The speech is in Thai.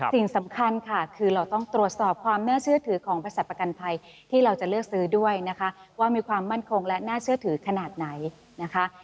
สิ่งสำคัญค่ะคือเราต้องตรวจสอบความน่าเชื่อถือของบริษัทประกันภัยที่เราจะเลือกซื้อด้วยนะคะว่ามีความมั่นคงและน่าเชื่อถือขนาดไหนนะคะ